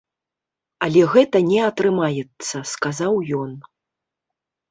Але гэта не атрымаецца, сказаў ён.